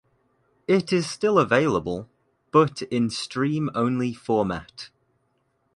It is still available, but in stream-only format.